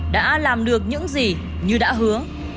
đã làm được những gì như đã hứa